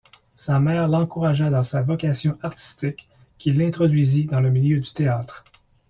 Sa mère l'encouragea dans sa vocation artistique, qui l'introduisit dans le milieu du théâtre.